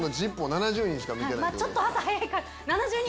７０人しか見てないってこと。